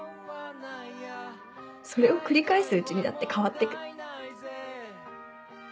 それを繰り返すうちにだって変わってく。